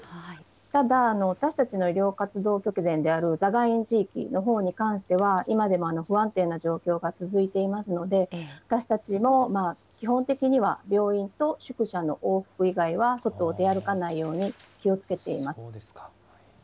ただ、私たちの医療活動拠点であるザガイン地域のほうに関しては、今でも不安定な状況が続いていますので、私たちも基本的には、病院と宿舎の往復以外は外を出歩かないように気をつけています。